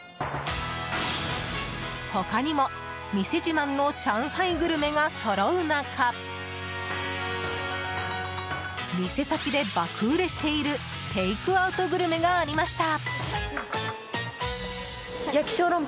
他にも店自慢の上海グルメがそろう中店先で爆売れしているテイクアウトグルメがありました。